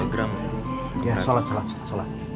dua gram ya shalat shalat